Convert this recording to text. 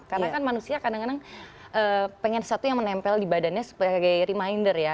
karena kan manusia kadang kadang pengen sesuatu yang menempel di badannya sebagai reminder ya